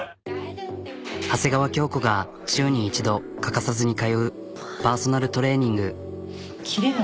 長谷川京子が週に一度欠かさずに通うパーソナルトレーニング。